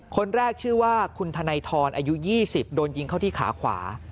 คนแรกชื่อว่าคุณธนัยทรอายุ๒๐โดนยิงเข้าที่ขาขวา